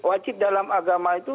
wajib dalam agama itu